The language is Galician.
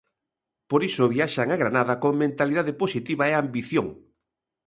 Por iso viaxan a Granada con mentalidade positiva e ambición.